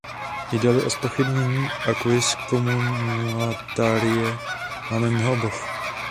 Jde-li o zpochybnění acquis communautaire, máme mnoho obav.